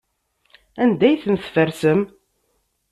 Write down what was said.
Anda ay ten-tfersem?